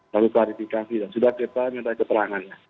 lalu klarifikasi dan sudah kita minta keterangannya